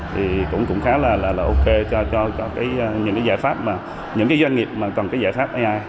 thì cũng khá là ok cho những cái giải pháp những cái doanh nghiệp mà cần cái giải pháp